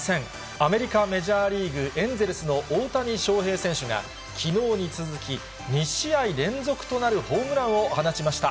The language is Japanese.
アメリカメジャーリーグ・エンゼルスの大谷翔平選手が、きのうに続き、２試合連続となるホームランを放ちました。